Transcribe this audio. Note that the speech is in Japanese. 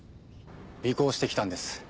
尾行して来たんです。